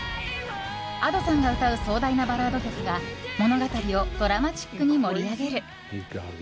Ａｄｏさんが歌う壮大なバラード曲が物語をドラマチックに盛り上げる。